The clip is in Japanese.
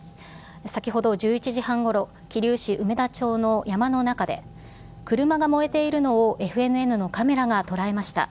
先ほど１１時半ごろ、桐生市梅田町の山の中で、車が燃えているのをＦＮＮのカメラが捉えました。